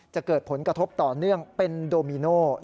จะเกิดผลกระทบต่อเนื่องเป็นโดมิโน